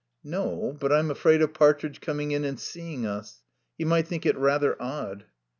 "No, but I'm afraid of Partridge coming in and seeing us. He might think it rather odd."